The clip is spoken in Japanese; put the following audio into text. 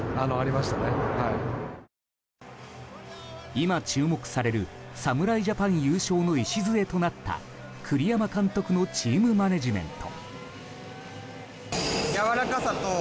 今、注目される侍ジャパン優勝の礎となった栗山監督のチームマネジメント。